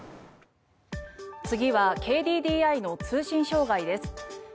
次はＫＤＤＩの通信障害です。